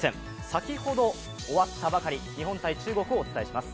先ほど終わったばかり日本対中国をお伝えします。